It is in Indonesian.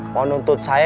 mau nuntut saya